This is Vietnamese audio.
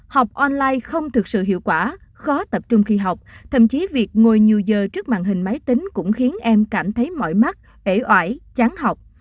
học online không thực sự hiệu quả khó tập trung khi học thậm chí việc ngồi nhiều giờ trước mạng hình máy tính cũng khiến em cảm thấy mỏi mắt ế oải chán học